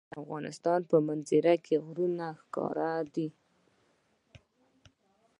د افغانستان په منظره کې غرونه ښکاره ده.